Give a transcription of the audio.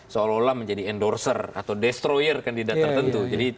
seolah olah menjadi endorser atau destroyer kandidat tertentu